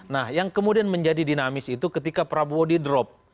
nah yang kemudian menjadi dinamis itu ketika prabowo di drop